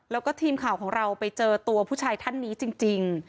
แล้วก็ทีมข่าวของเราไปเจอตัวผู้ชายท่านนี้จริง